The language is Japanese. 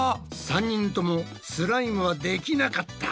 ３人ともスライムはできなかった！